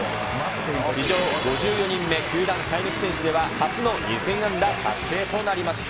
史上５４人目、球団生え抜き選手では初の２０００安打達成となりました。